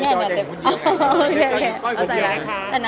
แต่นักข่าวพุกเลยนะ